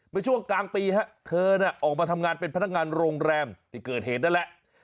เมื่อช่วงกลางปีฮะเธอน่ะออกมาทำงานเป็นพนักงานโรงแรมที่เกิดเหตุนั่นแหละ